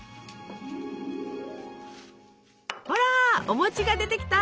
ほらお餅が出てきた！